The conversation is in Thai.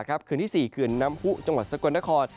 เขื่อนที่สี่เขื่อนน้ำภูจังหวัดสกรรณคล